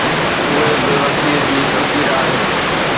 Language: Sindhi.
اهي بيوسيءَ جي تصوير آهن.